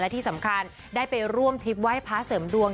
แล้วที่สำคัญในการล้อมทริปไว้พระเสริมดวง